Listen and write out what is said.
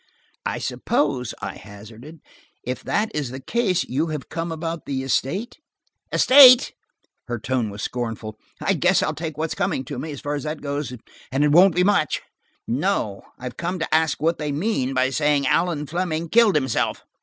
"I suppose," I hazarded, "if that is the case, you have come about the estate." "Estate!" Her tone was scornful. "I guess I'll take what's coming to me, as far as that goes–and it won't be much. No, I came to ask what they mean by saying Allan Fleming killed himself."